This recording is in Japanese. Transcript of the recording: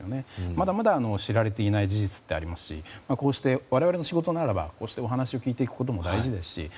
まだまだ知られていない事実もあるし我々の仕事ならばこうしてお話を聞いていくことも大事ですし。